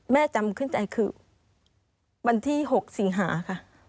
จำขึ้นใจคือวันที่๖สิงหาค่ะ